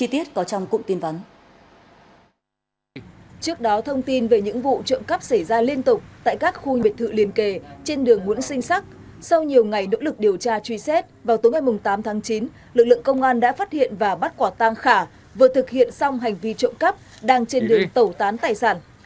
trước đó thông tin về những vụ trộm cắp xảy ra liên tục tại các khu biệt thự liền kề trên đường nguyễn sinh sắc sau nhiều ngày nỗ lực điều tra truy xét vào tối ngày tám tháng chín lực lượng công an đã phát hiện và bắt quả tang khà vừa thực hiện xong hành vi trộm cắp đang trên đường tẩu tán tài sản